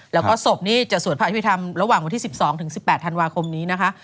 แล้วก็ศพนี่จะสวดพระอภิษฐรรมระหว่างวันที่๑๒๑๘ธันวาคมนี้นะคะ